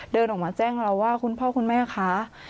เดินออกมาแจ้งเราว่าคุณพ่อคุณแม่คะ